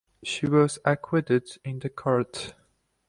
She was acquitted in the court.